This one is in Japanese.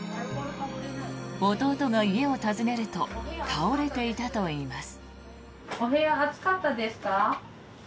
弟が家を訪ねると倒れていたといいます。